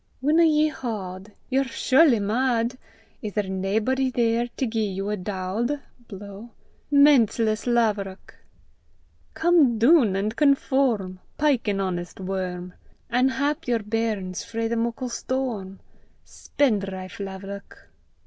Winna ye haud? Ye're surely mad! Is there naebody there to gie ye a daud? (blow) Menseless laverock! Come doon an' conform; Pyke an honest worm, An' hap yer bairns frae the muckle storm, Spendrife laverock!